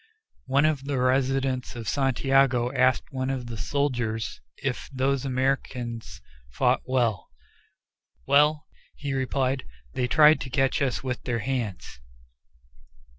One of the residents of Santiago asked one of the soldiers if those Americans fought well. "Well!" he replied, "they tried to catch us with their hands!"